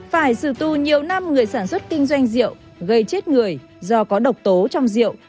phải xử tù nhiều năm người sản xuất kinh doanh rượu gây chết người do có độc tố trong rượu